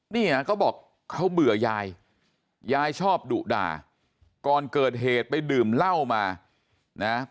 เนี่ยเขาบอกเขาเบื่อยายยายชอบดุด่าก่อนเกิดเหตุไปดื่มเหล้ามานะ